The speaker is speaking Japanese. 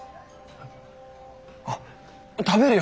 あっ食べるよ。